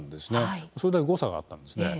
それだけ誤差があったんですね。